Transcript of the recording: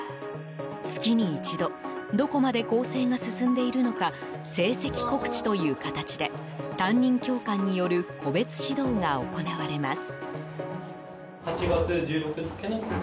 月に１度どこまで更生が進んでいるのか成績告知という形で担任教官による個別指導が行われます。